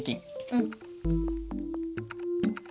うん。